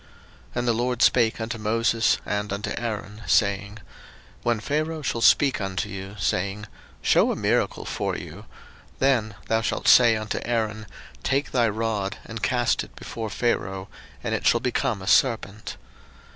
02:007:008 And the LORD spake unto Moses and unto Aaron, saying, 02:007:009 When Pharaoh shall speak unto you, saying, Shew a miracle for you: then thou shalt say unto Aaron, Take thy rod, and cast it before Pharaoh, and it shall become a serpent.